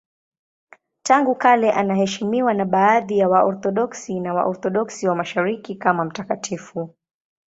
Tangu kale anaheshimiwa na baadhi ya Waorthodoksi na Waorthodoksi wa Mashariki kama mtakatifu.